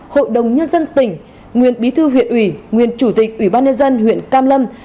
hội đồng nhân dân tỉnh nguyên bí thư huyện ủy nguyên chủ tịch ủy ban nhân dân huyện cam lâm